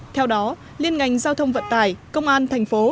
theo đó liên ngành giao thông vận tải công an thành phố